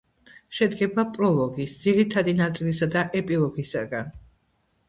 შედგება პროლოგის ძირითადი ნაწილისა და ეპილოგისაგან